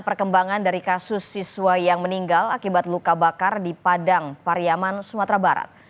perkembangan dari kasus siswa yang meninggal akibat luka bakar di padang pariaman sumatera barat